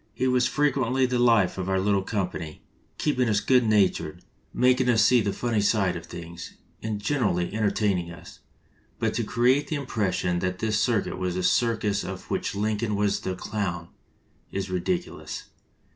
"He was frequently the life of our little company, keeping us good natured, making us 192 JUDGE DAVIS AND LINCOLN see the funny side of things, and generally enter taining us; but to create the impression that the circuit was a circus of which Lincoln was the clown is ridiculous.